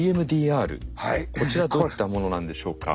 こちらどういったものなんでしょうか？